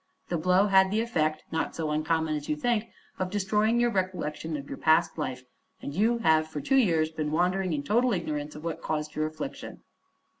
The blow had the effect not so uncommon as you think of destroying your recollection of your past life, and you have for two years been wandering in total ignorance of what caused your affliction."